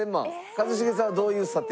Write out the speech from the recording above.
一茂さんはどういう査定ですか？